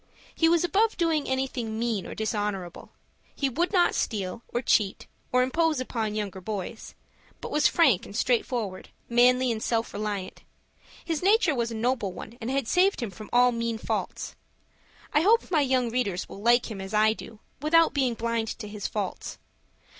He was above doing anything mean or dishonorable. He would not steal, or cheat, or impose upon younger boys, but was frank and straight forward, manly and self reliant. His nature was a noble one, and had saved him from all mean faults. I hope my young readers will like him as I do, without being blind to his faults.